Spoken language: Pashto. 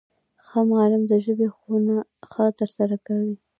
ښه معلم د ژبي ښوونه ښه ترسره کوي.